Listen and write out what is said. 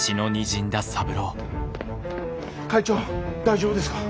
会長大丈夫ですか？